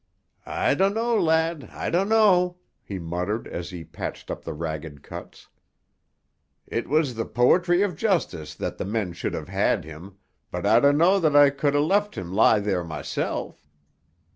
"I dunno, lad, I dunno," he muttered as he patched up the ragged cuts. "It was the poetry of justice that the men should have had him, but I dunno that I could ha' left him lie there myself."